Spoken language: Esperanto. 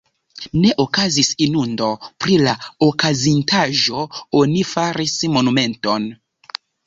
Ne okazis inundo, pri la okazintaĵo oni faris monumenton.